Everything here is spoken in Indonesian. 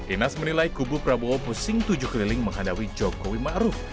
inas menilai kubu prabowo pusing tujuh keliling menghadapi jokowi ⁇ maruf ⁇